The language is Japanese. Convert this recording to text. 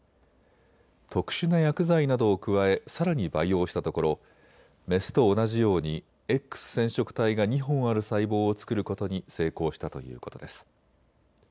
特殊な薬剤などを加えさらに培養したところメスと同じようにＸ染色体が２本ある細胞を作ることに成功したということです。